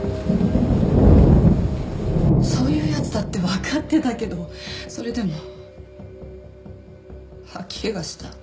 そういう奴だってわかってたけどそれでも吐き気がした。